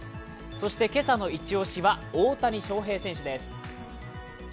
そして今朝の一押しは大谷翔平選手です。